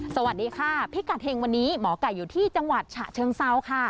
สวัสดีค่ะพิกัดเฮงวันนี้หมอไก่อยู่ที่จังหวัดฉะเชิงเซาค่ะ